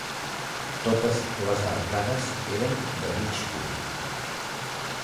Totes les arcades eren de mig punt.